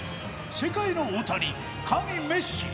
世界の大谷神メッシ